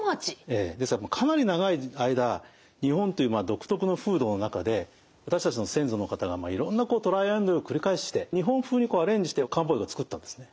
ええですからかなり長い間日本という独特の風土の中で私たちの先祖の方がいろんなトライアンドドゥを繰り返して日本風にアレンジして漢方薬を作ったんですね。